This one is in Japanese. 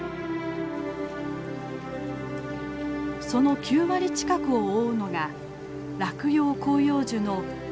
その９割近くを覆うのが落葉広葉樹のブナ。